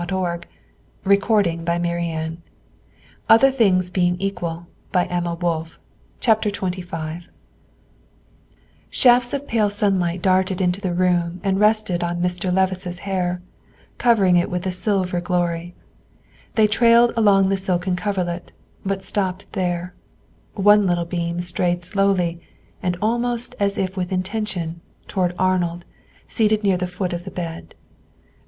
In such a house, in every Jewish house, one finds the best nurses in the family. Chapter XXV Shafts of pale sunlight darted into the room and rested on Mr. Levice's hair, covering it with a silver glory, they trailed along the silken coverlet, but stopped there; one little beam strayed slowly, and almost as if with intention, toward Arnold, seated near the foot of the bed.